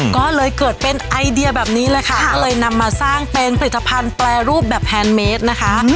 ก็เลยเกิดเป็นไอเดียแบบนี้เลยค่ะก็เลยนำมาสร้างเป็นผลิตภัณฑ์แปรรูปแบบแพนเมสนะคะ